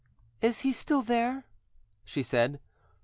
"Is he still there?" she said.